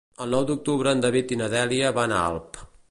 El nou d'octubre en David i na Dèlia van a Alp.